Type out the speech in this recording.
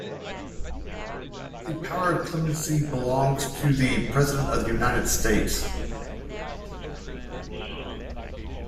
The power of clemency belongs to the President of the United States.